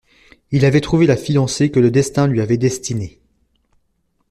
Il avait trouvé la fiancée que le destin lui avait destinée.